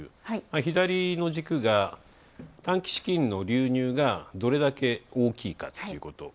左の軸が短期資金の流入がどれだけ大きいかっていうこと。